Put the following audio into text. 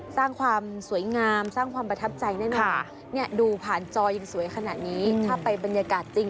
ถ้าไปบรรยากาศจริงจะสวยงามขนาดไหน